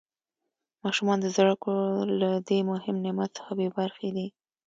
ماشومان د زده کړو له دې مهم نعمت څخه بې برخې دي.